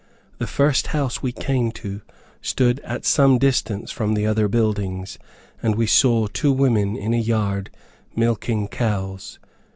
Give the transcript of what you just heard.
The first house we came to stood at some distance from the other buildings, and we saw two women in a yard milking cows.